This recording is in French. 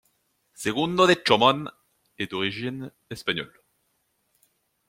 Segundo de Chomón est d'origine espagnole.